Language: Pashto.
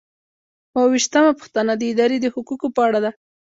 اووه ویشتمه پوښتنه د ادارې د حقوقو په اړه ده.